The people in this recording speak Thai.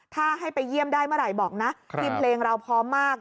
ถ้าให้ไปเยี่ยมได้เมื่อไหร่บอกนะทีมเพลงเราพร้อมมาก